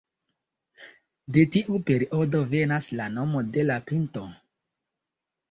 De tiu periodo venas la nomo de la pinto.